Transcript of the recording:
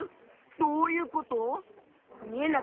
どういうこと？